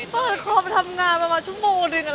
เปิดคอมทำงานมาสักชั่วโมงหนึ่ง